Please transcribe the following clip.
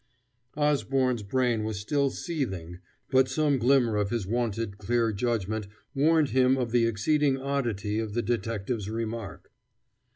Osborne's brain was still seething, but some glimmer of his wonted clear judgment warned him of the exceeding oddity of the detective's remark.